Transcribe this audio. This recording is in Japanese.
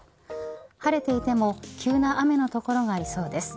晴れていても急な雨の所がありそうです。